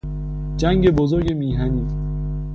جنگ بزرگ میهنی